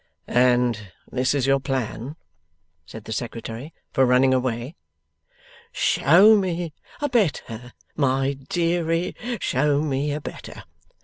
'And this is your plan,' said the Secretary, 'for running away?' 'Show me a better! My deary, show me a better!